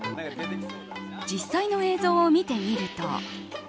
実際の映像を見てみると。